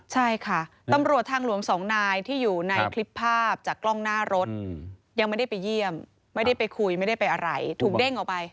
ใช่ค่ะตำรวจทางหลวงสองนายที่อยู่ในคลิปภาพจากกล้องหน้ารถยังไม่ได้ไปเยี่ยมไม่ได้ไปคุยไม่ได้ไปอะไรถูกเด้งออกไป